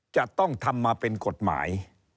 จะต้องทำมาเป็นกฎหมาย